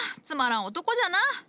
つまらん男じゃな。